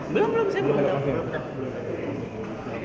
belum belum saya belum tahu apakah